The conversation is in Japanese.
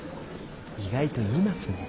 意外と言いますね。